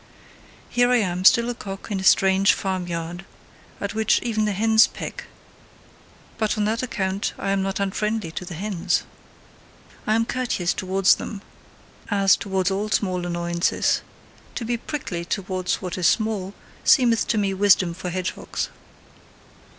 Here am I still like a cock in a strange farm yard, at which even the hens peck: but on that account I am not unfriendly to the hens. I am courteous towards them, as towards all small annoyances; to be prickly towards what is small, seemeth to me wisdom for hedgehogs.